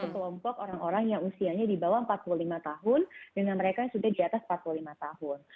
kelompok orang orang yang usianya di bawah empat puluh lima tahun dengan mereka yang sudah di atas empat puluh lima tahun